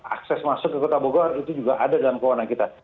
akses masuk ke kota bogor itu juga ada dalam kewenangan kita